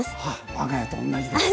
我が家と同じです。